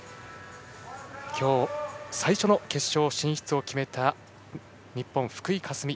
今日最初の決勝進出を決めた日本、福井香澄。